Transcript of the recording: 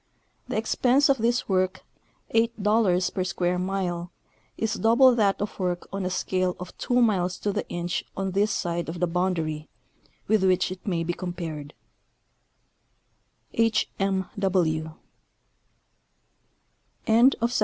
The expense of this work, eight dollars per square mile, is double that of work on a scale of 2 miles to the inch on this side of the boundary, with which it maj^ be compared. H. M.